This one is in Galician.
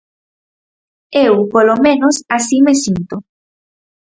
Eu, polo menos, así me sinto.